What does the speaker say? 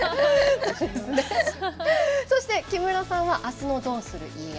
そして、木村さんは明日の「どうする家康」。